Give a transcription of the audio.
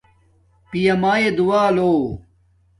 پیا مایے دعا لو